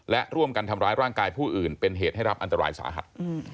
และร่วมกันทำร้ายร่างกายผู้อื่นเป็นเหตุให้รับอันตรายสาหัส